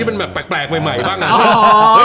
เป็นแบบแปลกใหม่บ้างนะ